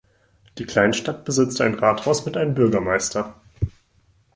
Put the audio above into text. Die Kleinstadt besitzt ein Rathaus mit einem Bürgermeister.